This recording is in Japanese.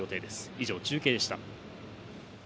以上、中継でした。